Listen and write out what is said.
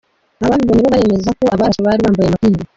Ababibonye bo baremeza ko abarashwe bari bambaye amapingu.